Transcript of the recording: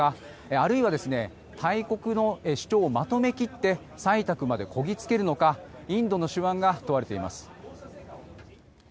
あるいは大国の主張をまとめ切って採択までこぎ着けるのかインドの手腕が問われています。